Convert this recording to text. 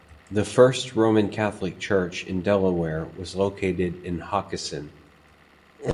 The first Roman Catholic church in Delaware was located in Hockessin.